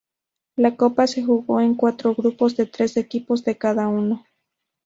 La copa se jugó con cuatro grupos de tres equipos cada uno.